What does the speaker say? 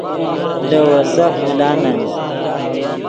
لے ویسہہ ملانن